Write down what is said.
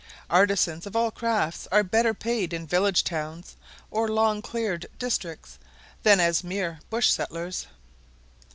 Artisans of all crafts are better paid in village towns, or long cleared districts, than as mere bush settlers.